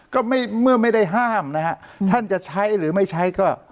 ก็ไม่เมื่อไม่ได้ห้ามนะฮะท่านจะใช้หรือไม่ใช้ก็